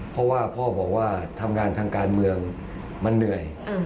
เพราะว่าพ่อบอกว่าทำงานทางการเมืองมันเหนื่อย